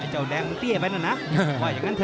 ใหญ่อ่ะ